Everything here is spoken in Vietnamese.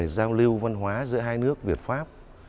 giao lưu văn hóa giữa hai nước việt pháp